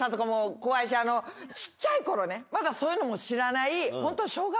小っちゃい頃ねまだそういうのも知らない。